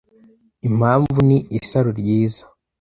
impamvu ni isaro ryiza